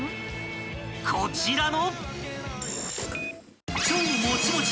［こちらの］